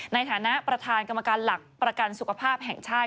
ในฐานะประธานกรรมการหลักประกันสุขภาพแห่งชาติ